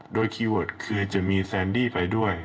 โดยคีย์เวิร์ดคือจะมีแซนดี้ไปด้วย